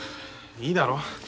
いいだろ？